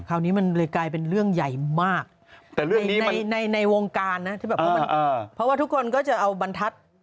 คราวนี้มันเลยกลายเป็นเรื่องใหญ่มากในวงการนะเพราะว่าทุกคนก็จะเอาบรรทัศน์